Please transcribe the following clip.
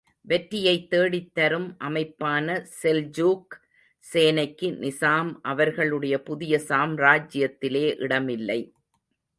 வெற்றியைத் தேடித்தரும் அமைப்பான செல்ஜுக் சேனைக்கு நிசாம் அவர்களுடைய புதிய சாம்ராஜ்யத்திலே இடமில்லை.